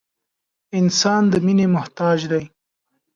• انسان د مینې محتاج دی.